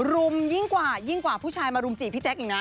รุมยิ่งกว่าผู้ชายมารุมจีบพี่แจ๊คอีกนะ